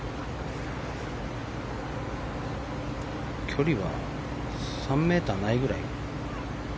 距離は３ｍないぐらい？